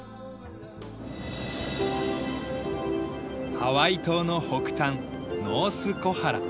ハワイ島の北端ノース・コハラ。